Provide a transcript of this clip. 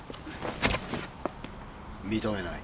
認めない。